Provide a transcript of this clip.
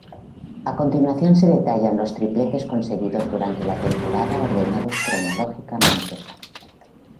A continuación se detallan los tripletes conseguidos durante la temporada ordenados cronológicamente.